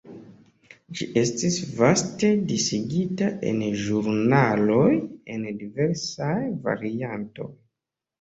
Ĝi estis vaste disigita en ĵurnaloj en diversaj variantoj.